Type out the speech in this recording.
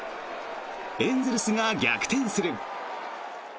エンゼルスが逆転する。